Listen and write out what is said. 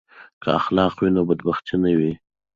که اخلاق وي نو بدبختي نه وي.